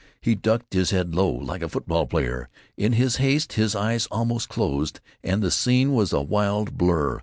He ducked his head low, like a football player. In his haste his eyes almost closed, and the scene was a wild blur.